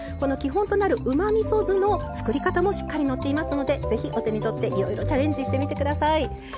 うまみそ酢の作り方もしっかり載っていますのでぜひお手にとっていろいろチャレンジしてみてください。